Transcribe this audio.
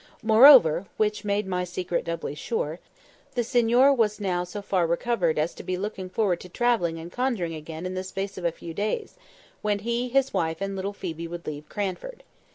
Moreover (which made my secret doubly sure), the signor was now so far recovered as to be looking forward to travelling and conjuring again in the space of a few days, when he, his wife, and little Phoebe would leave Cranford.